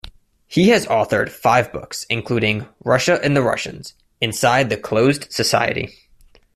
He has authored five books, including "Russia and the Russians: Inside the Closed Society".